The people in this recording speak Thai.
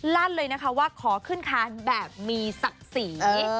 ลั่นเลยนะคะว่าขอขึ้นคานแบบมีศักดิ์ศรี